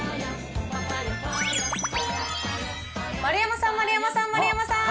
丸山さん、丸山さん、丸山さん。